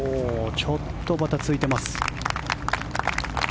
ちょっとばたついてます。